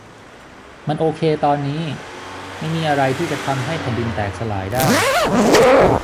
มันโอเคตอนนี้ ไม่มีอะไรที่จะทำให้แผ่นดินแตกสลายได้